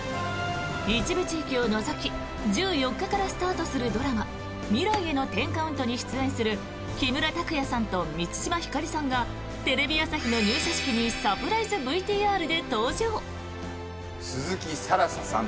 一部地域を除き１４日からスタートするドラマ「未来への１０カウント」に出演する木村拓哉さんと満島ひかりさんがテレビ朝日の入社式にサプライズＶＴＲで登場。